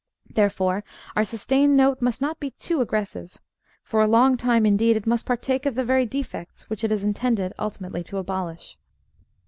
Therefore our sustained note must not be too aggressive. For a long time, indeed, it must partake of the very defects which it is intended ultimately to abolish.